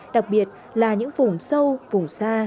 đặc biệt là những vùng sâu vùng xa